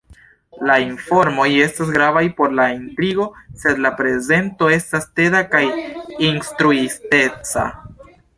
La informoj estas gravaj por la intrigo, sed la prezento estas teda kaj instruisteca.